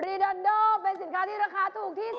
รีดอนโดเป็นสินค้าที่ราคาถูกที่สุด